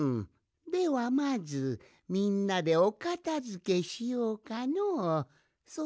ではまずみんなでおかたづけしようかのう。